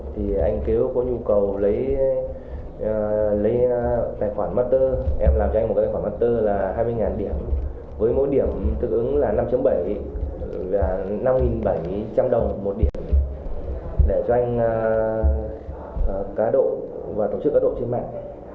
thì anh kếu có nhu cầu lấy tài khoản master em làm cho anh một cái tài khoản master là hai mươi điểm với mỗi điểm tự ứng là năm bảy trăm linh đồng một điểm để cho anh cá độ và tổ chức cá độ trên mạng